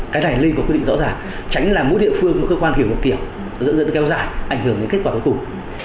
cái này nên có quy định rõ ràng tránh là mỗi địa phương mỗi cơ quan hiểu một kiểu dẫn dẫn kéo dài ảnh hưởng đến kết quả cuối cùng